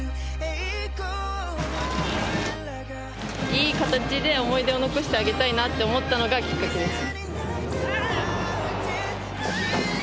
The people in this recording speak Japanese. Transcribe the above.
いい形で思い出を残してあげたいなと思ったのがきっかけです。